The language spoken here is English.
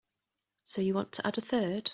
So you want to add a third?